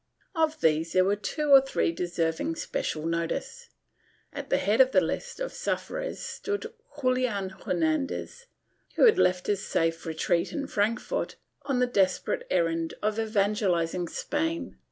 ^ Of these there were two or three deserving special notice. At the head of the list of sufferers stood Julian Hernandez, who had left his safe retreat in Frankfort on the desperate errand of evan gelizing Spain.